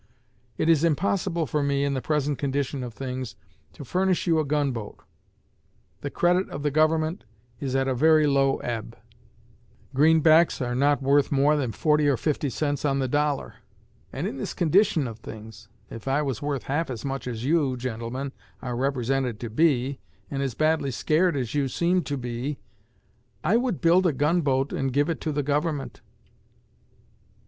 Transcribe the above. It is impossible for me, in the present condition of things, to furnish you a gun boat. The credit of the Government is at a very low ebb; greenbacks are not worth more than forty or fifty cents on the dollar; and in this condition of things, if I was worth half as much as you, gentlemen, are represented to be, and as badly scared as you seem to be, I _would build a gun boat and give it to the Government.